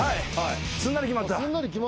すんなり決まった。